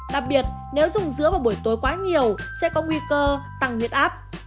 đặc biệt nếu dùng dứa vào buổi tối quá nhiều sẽ có nguy cơ tăng huyết áp